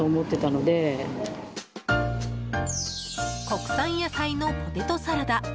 国産野菜のポテトサラダ。